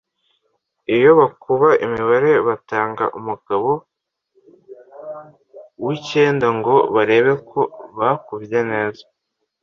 Iyo bakuba imibare batanga umugabo w’ikenda ngo barebe ko bakubye neza.